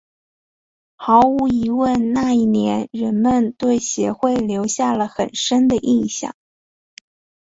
毫无疑问那一年人们对协会留下了很深的印象。